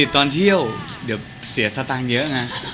ก่อนเที่ยวเสียสตางค์เยอะนะ